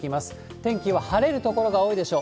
天気は晴れる所が多いでしょう。